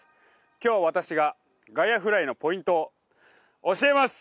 今日私が外野フライのポイントを教えます。